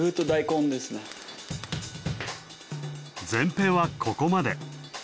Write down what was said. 前編はここまで。